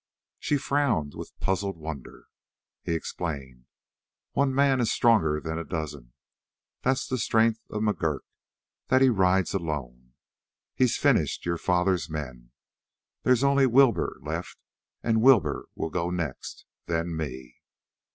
She frowned with puzzled wonder. He explained: "One man is stronger than a dozen. That's the strength of McGurk that he rides alone. He's finished your father's men. There's only Wilbur left, and Wilbur will go next then me!"